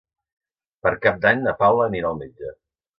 Per Cap d'Any na Paula anirà al metge.